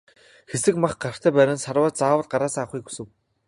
Хэсэг мах гартаа барин сарвайж заавал гараасаа авахыг хүсэв.